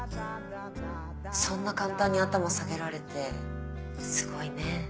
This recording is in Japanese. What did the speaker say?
そんな簡単に頭下げられてすごいね。